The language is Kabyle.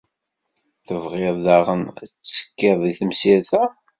Tebɣiḍ daɣen ad tettekkiḍ deg temsirt-a?